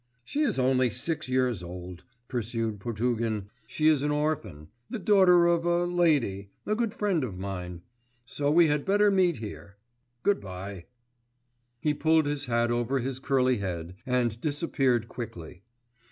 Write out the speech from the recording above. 'She is only six years old,' pursued Potugin. 'She's an orphan ... the daughter of a lady ... a good friend of mine. So we had better meet here. Good bye.' He pulled his hat over his curly head, and disappeared quickly.